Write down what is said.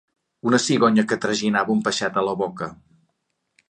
Una cigonya que traginava un peixet a la boca.